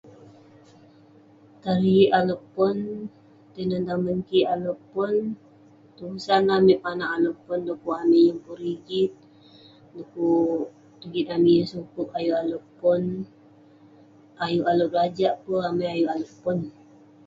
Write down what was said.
Tarik alek pon tinen tamen kik alek pon tusah amik panak yeng pun pon dukuk amik panak yeng pun rigit dukuk rigit amik yeng sukup ayuk alek pon ayuk alek berajak peh pun neh